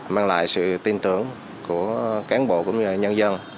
mang lại sự tin tưởng của cán bộ cũng như nhân dân